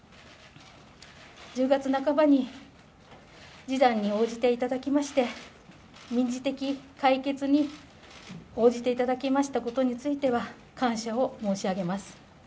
１０月半ばに示談に応じていただきまして民事的解決に応じていただきましたことについては感謝を申し上げます。